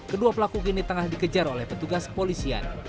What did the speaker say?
kedua pelaku kini tengah dikejar oleh petugas kepolisian